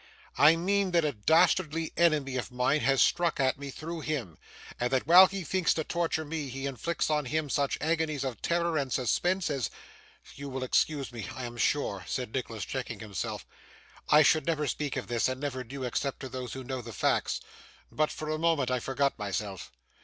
'I mean that a dastardly enemy of mine has struck at me through him, and that while he thinks to torture me, he inflicts on him such agonies of terror and suspense as You will excuse me, I am sure,' said Nicholas, checking himself. 'I should never speak of this, and never do, except to those who know the facts, but for a moment I forgot myself.